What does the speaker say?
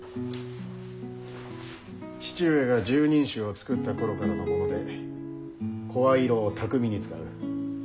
父上が拾人衆を作った頃からの者で声色を巧みに使う。